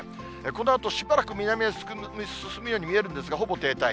このあと、しばらく南へ進むように見えるんですが、ほぼ停滞。